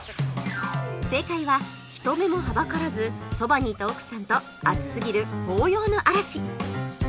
正解は人目もはばからずそばにいた奥さんと熱すぎる抱擁の嵐！